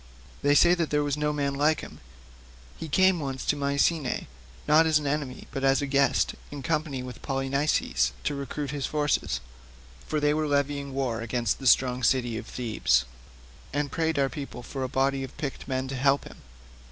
They say that there was no man like him. He came once to Mycenae, not as an enemy but as a guest, in company with Polynices to recruit his forces, for they were levying war against the strong city of Thebes, and prayed our people for a body of picked men to help them.